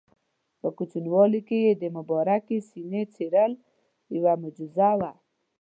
په کوچنیوالي کې یې د مبارکې سینې څیرل یوه معجزه وه.